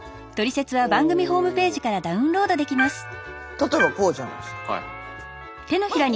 例えばこうじゃないですか。